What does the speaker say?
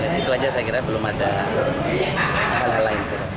itu saja saya kira belum ada hal hal lain sih